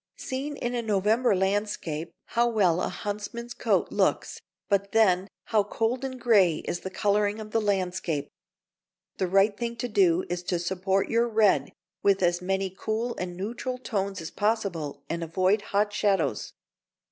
Seen in a November landscape, how well a huntsman's coat looks, but then, how cold and grey is the colouring of the landscape. The right thing to do is to support your red with as many cool and neutral tones as possible and avoid hot shadows.